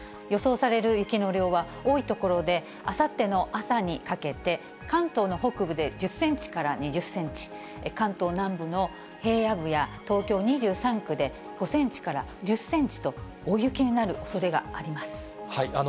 予想される雪の量は、多い所で、あさっての朝にかけて、関東の北部で１０センチから２０センチ、関東南部の平野部や東京２３区で５センチから１０センチと、大雪になるおそれがあります。